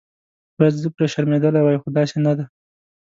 باید زه پرې شرمېدلې وای خو داسې نه ده.